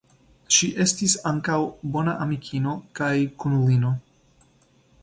Ŝi estis ankaŭ bona amikino kaj kunulino.